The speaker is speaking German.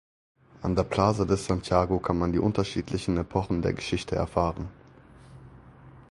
An der Plaza de Santiago kann man die unterschiedlichen Epochen der Geschichte erfahren.